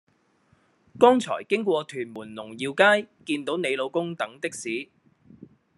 剛才經過屯門龍耀街見到你老公等的士